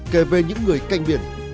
kể về những người canh biển